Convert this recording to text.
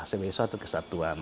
sebagai suatu kesatuan